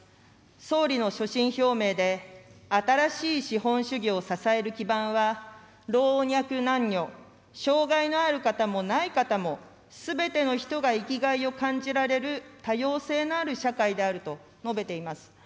総理の所信表明で、新しい資本主義を支える基盤は、老若男女、障害のある方もない方も、すべての人が生きがいを感じられる多様性のある社会であると述べています。